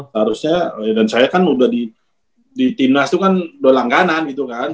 harusnya dan saya kan udah di timnas itu kan udah langganan gitu kan